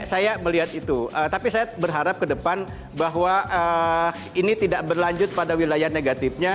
saya melihat itu tapi saya berharap ke depan bahwa ini tidak berlanjut pada wilayah negatifnya